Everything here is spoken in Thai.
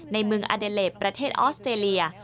ในเมืองอเดเลสประเทศออสเตรเลีย